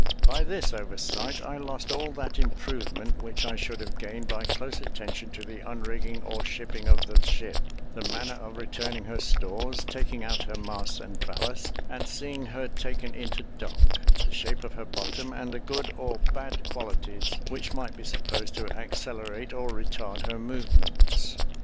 By this oversight, I lost all that improvement which I should have gained by close attention to the unrigging or shipping of the ship; the manner of returning her stores; taking out her masts and ballast, and seeing her taken into dock; the shape of her bottom, and the good or bad qualities which might be supposed to accelerate or retard her movements.